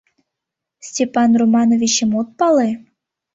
Степан Романовичым от пале?